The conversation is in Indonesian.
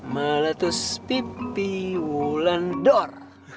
malatus pipi wulan dor